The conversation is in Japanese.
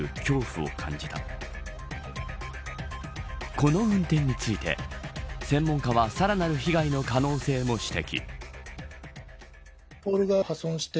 この運転について専門家はさらなる被害の可能性も指摘。